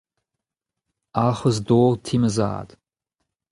Alc'hwez dor ti ma zad.